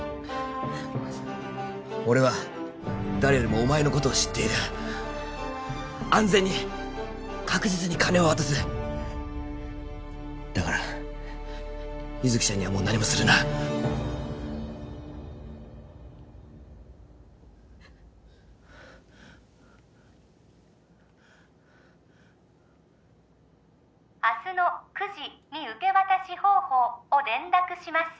俺は誰よりもお前のことを知っている安全に確実に金を渡すだから優月ちゃんにはもう何もするな明日の９時に受け渡し方法を連絡します